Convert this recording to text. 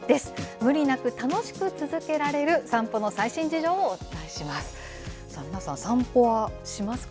無理なく楽しく続けられる散歩の最新事情をお伝えします。